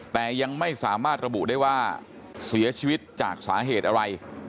แต่ยังไม่สามารถระบุได้ว่าเสียชีวิตจากสาเหตุอะไร